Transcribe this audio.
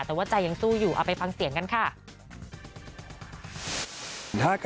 แต่ว่าใจยังสู้อยู่เอาไปฟังเสียงกันค่ะ